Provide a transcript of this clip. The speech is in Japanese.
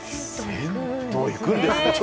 銭湯に行くんですね。